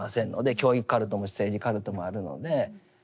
教育カルトも政治カルトもあるので。